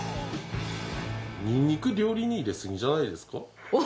ニンニク料理に入れすぎじゃないですか？